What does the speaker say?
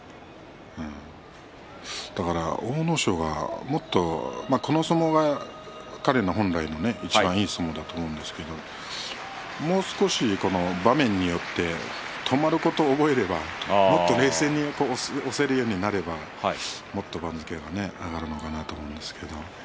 だから阿武咲がもっとこの相撲が彼の本来のいちばんいい相撲だと思うんですがもう少し場面によって止まることを覚えればもっと冷静に押せるようになればもっと番付が上がるのかなと思いますがね。